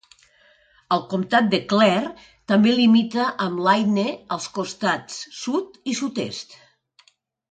El comtat de Clare també limita amb l'Aidhne als costat sud i sud-est.